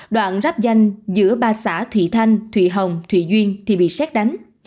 đoạn rắp danh giữa ba xã thụy thanh thụy hồng thụy duyên thì bị xét đánh